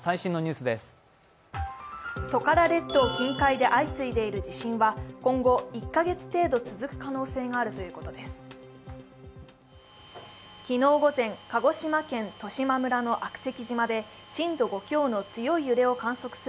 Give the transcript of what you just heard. トカラ列島近海で相次いでいる地震は今後１カ月程度続く可能性があるということです。